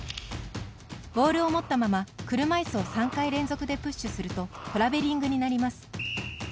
ボールを持ったまま、車いすを３回連続でプッシュするとトラベリングになります。